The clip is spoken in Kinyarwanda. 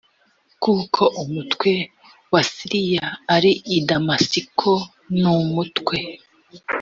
kuko umutwe wa siriya ari i damasiko n umutwe